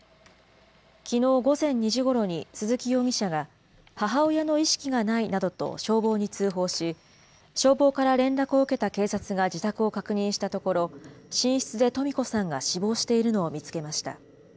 きのう午前２時ごろに、鈴木容疑者が、母親の意識がないなどと消防に通報し、消防から連絡を受けた警察が自宅を確認したところ、寝室でとみ子さんが死亡しているのを見つけました。